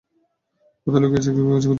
কোথায় লুকিয়েছে খুঁজে বের কর।